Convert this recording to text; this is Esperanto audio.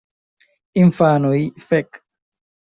Infanoj: "Fek!"